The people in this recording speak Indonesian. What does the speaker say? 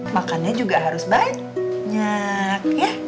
makannya juga harus banyak ya